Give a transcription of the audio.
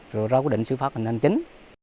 rồi ra quyết định xử pháp hành hành chính